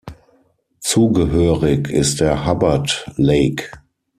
Zugehörig ist der Hubbard Lake.